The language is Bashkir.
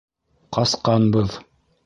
Ҡасҡанбыҙ!